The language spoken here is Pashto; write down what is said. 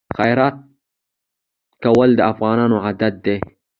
خیرات کول د افغانانو عادت دی.